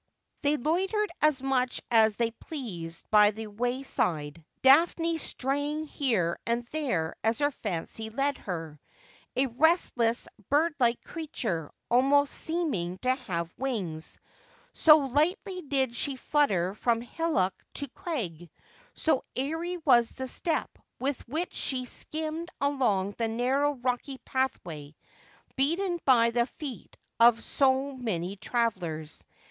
They loitered as much as they pleased by the way side, Daphne straying here and there as her fancy led her — a restless, birdlike creature, almost seeming to have wings, so lightly did she flutter from hillock to crag, so airy was the step with which she skimmed along the narrow rocky pathway, beaten by the feet of so many travellers.